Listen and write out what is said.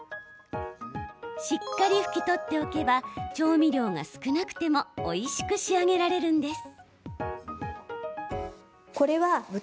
しっかり拭き取っておけば調味料が少なくてもおいしく仕上げられるんです。